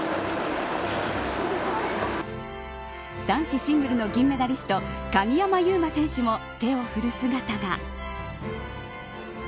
男子シングルの銀メダリスト鍵山優真選手も手を振る姿が。